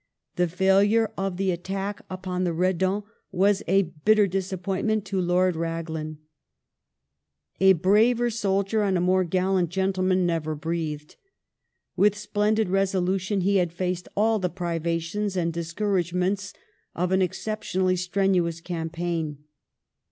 The failure of the at tack upon the Redan was a bitter disappointment to Lord Raglan. Death of A braver soldier and a more gallant gentleman never breathed. Lord Rag ^j^j^ splendid resolution he had faced all the privations and dis couragements of an exceptionally strenuous campaign.